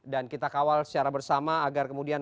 dan kita kawal secara bersama agar kemudian